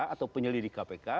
atau penyelidik kpk